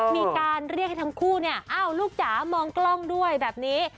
มีการเรียกให้ทั้งคู่เนี่ยอ้าวลูกจ๋ามองกล้องด้วยแบบนี้